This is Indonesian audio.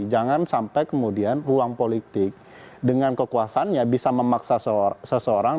jangan sampai kemudian ruang politik dengan kekuasaannya bisa memaksa seseorang